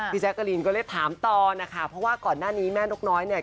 แจ๊กกะลีนก็เลยถามต่อนะคะเพราะว่าก่อนหน้านี้แม่นกน้อยเนี่ย